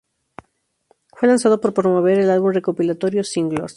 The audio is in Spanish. Fue lanzado para promover el álbum recopilatorio Singles.